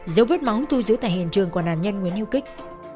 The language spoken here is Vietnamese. dấu vết máu thu giữ tại hiện trường của nạn nhân nguyễn hữu kích